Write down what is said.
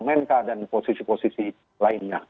parlemen kah dan posisi posisi lainnya